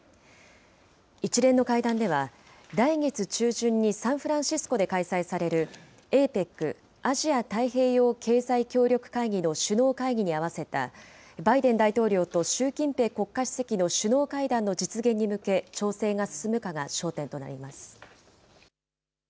一連の会談では、来月中旬にサンフランシスコで開催されるＡＰＥＣ・アジア太平洋経済協力会議の首脳会議に合わせた、バイデン大統領と習近平国家主席の首脳会談の実現に向け、調整が進むかが焦点となります。